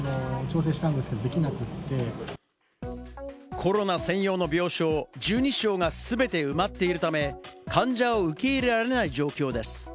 コロナ専用の病床１２床が全て埋まっているため、患者を受け入れられない状況です。